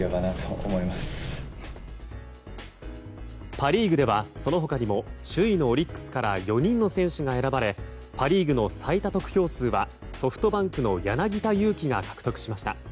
パ・リーグではその他にも首位のオリックスから４人の選手が選ばれパ・リーグの最多得票数はソフトバンクの柳田悠岐が獲得しました。